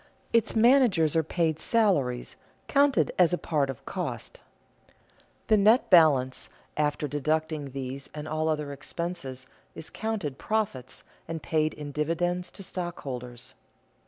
Its managers are paid salaries, counted as a part of cost. The net balance, after deducting these and all other expenses, is counted profits and paid in dividends to stockholders.